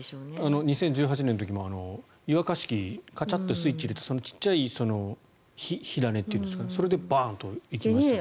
２０１８年の時も湯沸かし器カチャッとスイッチを入れてその小さい火種というんですかそれでバーンと行きましたから。